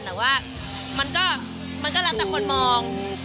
แต่ว่ามันก็มันก็ลักษณะคนมอง